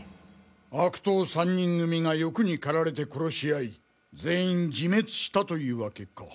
悪党３人組が欲に駆られて殺し合い全員自滅したというわけか。